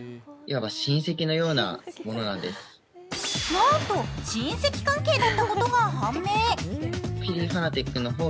なんと、親戚関係だったことが判明。